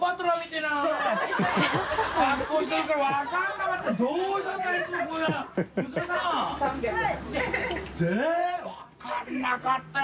店主）分かんなかった。